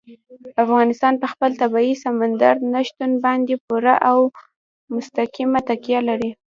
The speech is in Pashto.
افغانستان په خپل طبیعي سمندر نه شتون باندې پوره او مستقیمه تکیه لري.